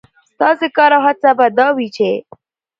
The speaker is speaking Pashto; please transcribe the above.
ستاسې کار او هڅه به دا وي، چې